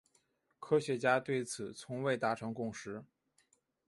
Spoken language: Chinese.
科学家对此从未达成共识。